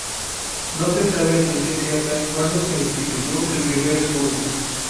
No se sabe a ciencia cierta cuando se instituyó el primer escudo.